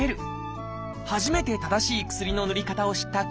初めて正しい薬のぬり方を知った木村さん。